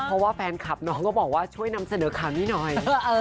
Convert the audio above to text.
เพราะว่าแฟนคลับน้องก็บอกว่าช่วยนำเสนอข่าวนี้หน่อย